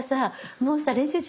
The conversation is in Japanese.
もうさ練習中